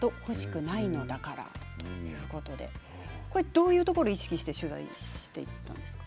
どういうところを意識して取材したんですか。